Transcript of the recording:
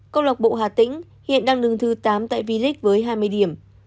câu lộc bộ hạ tĩnh hiện đang đứng thứ tám tại vdic với hai mươi điểm